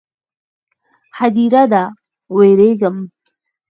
_ هديره ده، وېرېږم.